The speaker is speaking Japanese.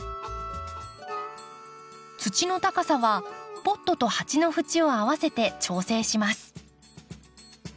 土の高さはポットと鉢の縁を合わせて調整します。